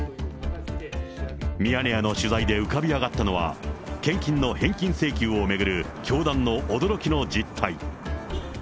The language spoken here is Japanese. ミヤネ屋の取材で浮かび上がったのは、献金の返金請求を巡る教団の驚きの実態。